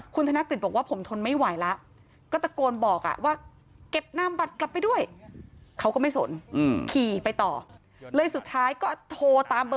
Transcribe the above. ครับ